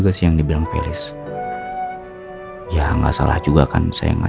saya kembali ke ruangan dulu ya